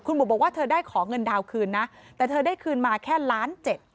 บุ๋มบอกว่าเธอได้ขอเงินดาวนคืนนะแต่เธอได้คืนมาแค่ล้านเจ็ด